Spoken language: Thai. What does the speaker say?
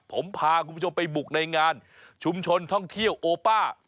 ผมพาคุณผู้ชมไปบุกในงานชุมชนท่องเที่ยวโอป้า